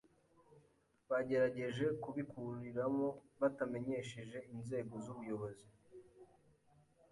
bagerageje kubikuriramo batamenyesheje inzego z’ubuyobozi.